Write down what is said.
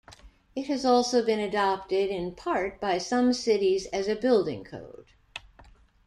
It has also been adopted in part by some cities as a building code.